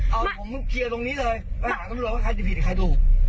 เอาผมเคลียร์ตรงนี้เลยไปหาตำรวจว่าใครจะผิดใครถูก